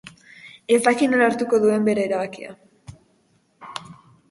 Ez daki nola hartuko duten bere erabakia.